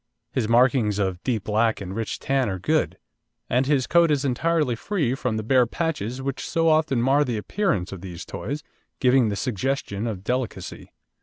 His markings of deep black and rich tan are good, and his coat is entirely free from the bare patches which so often mar the appearance of these toys, giving the suggestion of delicacy.